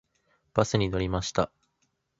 バスに乗りました。